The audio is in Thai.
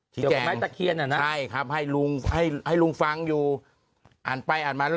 ที่แจงใช่ครับให้ลุงฟังอยู่อ่านไปอ่านมา